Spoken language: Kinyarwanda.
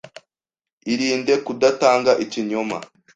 Irinde kudatanga ikinyoma.